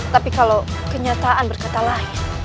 tapi kalau kenyataan berkata lain